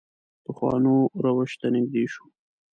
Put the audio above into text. پخوانو روش ته نږدې شو.